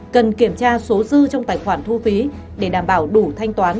cần kiểm tra số dư trong tài khoản thu phí để đảm bảo đủ thanh toán